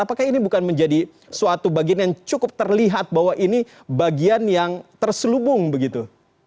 apakah ini bukan menjadi suatu bagian yang cukup terlihat bahwa ini bagian yang terselubung begitu